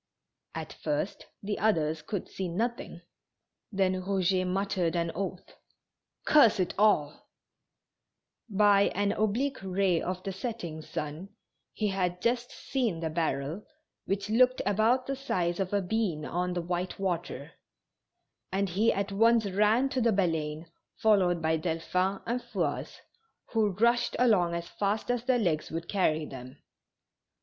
At first the others could see nothing, then Eouget muttered an oath : "Curse it all !" By an oblique ray of the setting sun, he had just seen the barrel, which looked about the size of a bean on the white water, and he at once ran to the Bahine^ followed by Delphin and Fouasse, who rushed along as fast as their legs would carry them.